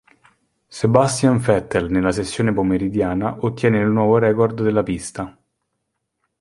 Sebastian Vettel, nella sessione pomeridiana, ottiene il nuovo record della pista.